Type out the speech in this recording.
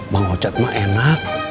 mangkocat mah enak